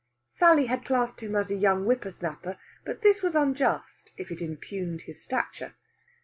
Sally had classed him as a young whippersnapper, but this was unjust, if it impugned his stature.